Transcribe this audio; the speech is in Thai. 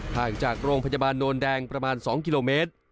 ห่างจากโรงพยาบาลโนนแดงประมาณ๒กิโลเมตร